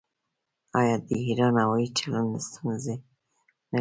آیا د ایران هوايي چلند ستونزې نلري؟